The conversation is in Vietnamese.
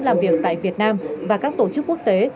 làm việc tại việt nam và các tổ chức quốc tế